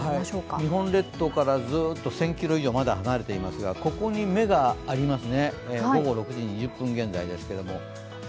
日本列島から１０００ｋｍ以上離れていますが、ここに目がありますね、午後６時２０分現在ですけどね